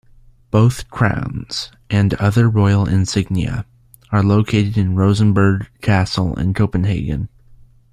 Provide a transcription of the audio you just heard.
Both crowns, and other royal insignia, are located in Rosenborg Castle in Copenhagen.